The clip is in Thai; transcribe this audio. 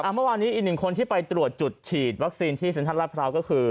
เมื่อวานนี้อีกหนึ่งคนที่ไปตรวจจุดฉีดวัคซีนที่เซ็นทรัลลาดพร้าวก็คือ